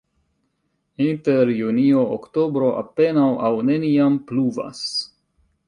Inter junio-oktobro apenaŭ aŭ neniam pluvas.